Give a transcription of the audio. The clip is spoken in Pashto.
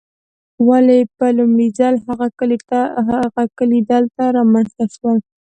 ولې په لومړي ځل هغه کلي دلته رامنځته شول.